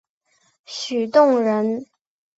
许洞人。